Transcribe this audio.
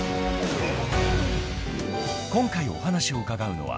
［今回お話を伺うのは］